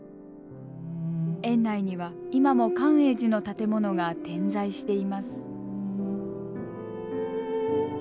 園内には今も寛永寺の建物が点在しています。